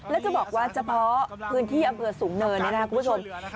แล้วจะบอกว่าเฉพาะพื้นที่อำเภอสูงเนินเนี่ยนะคุณผู้ชม